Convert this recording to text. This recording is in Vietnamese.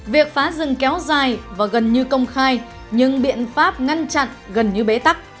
việc phá rừng kéo dài và gần như công khai nhưng biện pháp ngăn chặn gần như bế tắc